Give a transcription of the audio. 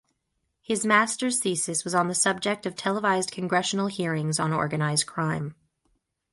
His master's thesis was on the subject of televised congressional hearings on organized crime.